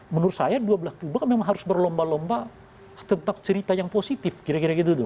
menurut saya dua belah kubah kan memang harus berlomba lomba tentang cerita yang positif kira kira gitu tuh